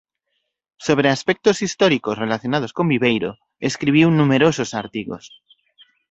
Sobre aspectos históricos relacionados con Viveiro escribiu numerosos artigos.